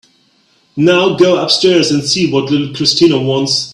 Now go upstairs and see what little Christina wants.